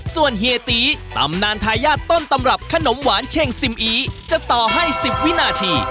ส่วนเฮียตีตำนานทายาทต้นตำรับขนมหวานเช่งซิมอีจะต่อให้๑๐วินาที